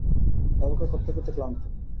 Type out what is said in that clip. অপেক্ষা করতে করতে ক্লান্ত।